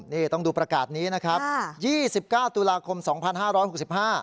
นี่ต้องดูประกาศนี้นะครับค่ะยี่สิบเก้าตุลาคมสองพันห้าร้อยหกสิบห้า